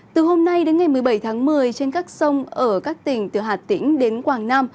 từ hôm nay đến ngày một mươi bảy tháng một mươi trên các sông ở các tỉnh từ hà tĩnh đến quảng nam